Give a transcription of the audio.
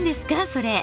それ。